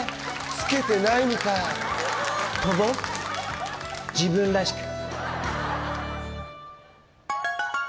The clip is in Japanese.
つけてないみたい」「跳ぼ自分らしく」